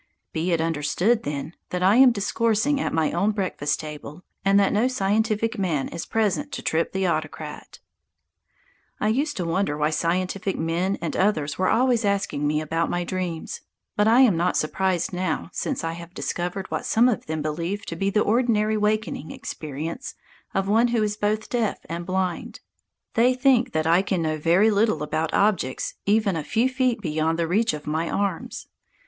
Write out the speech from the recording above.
Be it understood, then, that I am discoursing at my own breakfast table, and that no scientific man is present to trip the autocrat. I used to wonder why scientific men and others were always asking me about my dreams. But I am not surprised now, since I have discovered what some of them believe to be the ordinary waking experience of one who is both deaf and blind. They think that I can know very little about objects even a few feet beyond the reach of my arms.